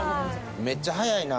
めっちゃ早いな。